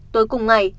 tối cùng ngày